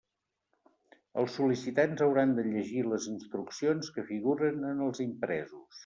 Els sol·licitants hauran de llegir les instruccions que figuren en els impresos.